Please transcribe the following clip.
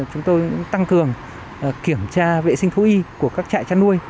chúng tôi tăng cường kiểm tra vệ sinh thú y của các trại chăn nuôi